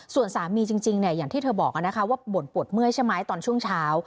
ส่วนสามีจริงอย่างที่เธอบอกว่าบ่นปวดเมื่อยใช่ไหมตอนช่วงเช้า